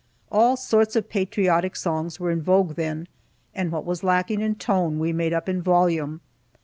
All sorts of patriotic songs were in vogue then, and what was lacking in tone we made up in volume.